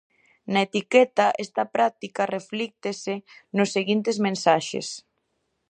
Na etiqueta, esta práctica reflíctese nos seguintes mensaxes: